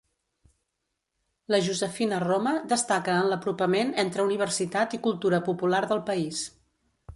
La Josefina Roma destaca en l'apropament entre universitat i cultura popular del país.